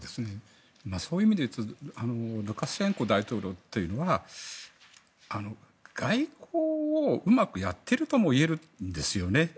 そういう意味で言うとルカシェンコ大統領というのは外交をうまくやっているとも言えるんですよね。